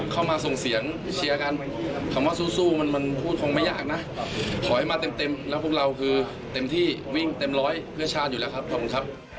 ก็ยังอย่างค่อนกันขอให้มาเต็มและพวกเราเนี่ยคือเต็มที่เต็มร้อยเพื่อชาติอยู่แล้วครับ